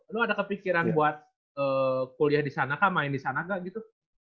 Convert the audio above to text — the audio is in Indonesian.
lo ada kepikiran buat kuliah di sana kah main di sana gak gitu